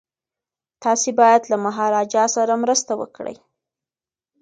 تاسي باید له مهاراجا سره مرسته وکړئ.